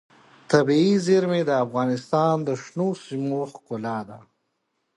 طبیعي زیرمې د افغانستان د شنو سیمو ښکلا ده.